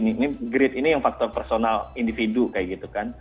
ini grid ini yang faktor personal individu kayak gitu kan